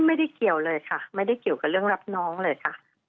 ไม่ได้เกี่ยวเลยค่ะไม่ได้เกี่ยวกับเรื่องรับน้องเลยค่ะ